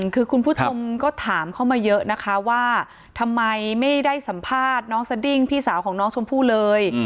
คือคุณผู้ชมก็ถามเข้ามาเยอะนะคะว่าทำไมไม่ได้สัมภาษณ์น้องสดิ้งพี่สาวของน้องชมพู่เลย